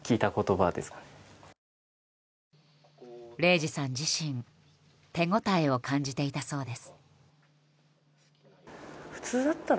零士さん自身手応えを感じていたそうです。